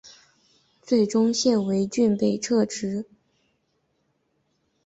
最终谢维俊被撤职。